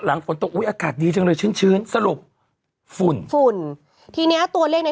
หลังฝนตกอุ๊ยอากาศดีจังเลยชื้นสรุปฝุ่นฝุ่นทีนี้ตัวเลขนี้